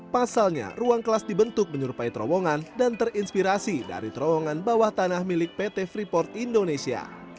pasalnya ruang kelas dibentuk menyerupai terowongan dan terinspirasi dari terowongan bawah tanah milik pt freeport indonesia